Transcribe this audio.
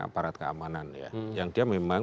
aparat keamanan ya yang dia memang